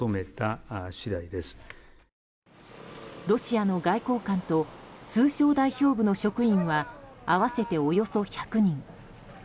ロシアの外交官と通商代表部の職員は合わせておよそ１００人。